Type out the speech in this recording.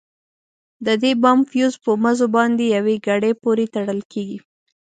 د دې بم فيوز په مزو باندې يوې ګړۍ پورې تړل کېږي.